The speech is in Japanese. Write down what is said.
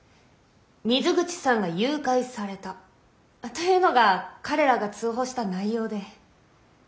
「水口さんが誘拐された」というのが彼らが通報した内容で。